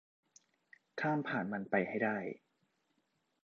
ข้ามผ่านมันไปให้ได้